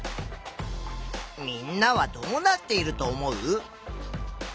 みんなはどうなっていると思う？